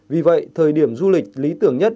vì vậy thời điểm du lịch lý tưởng nhất